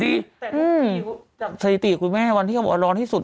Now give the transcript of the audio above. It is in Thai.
แต่ทุกวันตีจากสหยีติคุณแม่วันที่ร้อนที่สุด